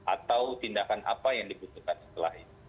atau tindakan apa yang dibutuhkan setelah itu